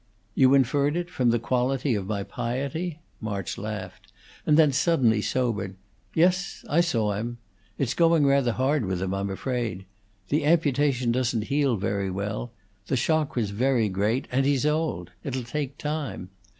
"You inferred it from the quality of my piety?" March laughed, and then suddenly sobered. "Yes, I saw him. It's going rather hard with him, I'm afraid. The amputation doesn't heal very well; the shock was very great, and he's old. It'll take time.